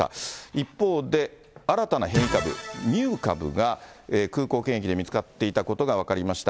一方で、新たな変異株、ミュー株が空港検疫で見つかっていたことが分かりました。